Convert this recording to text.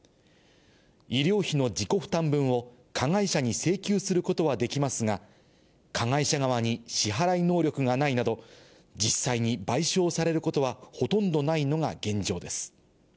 医療費の自己負担分を加害者に請求することはできますが、加害者側に支払い能力がないなど、実際に賠償されることはほとんどないのが現状です。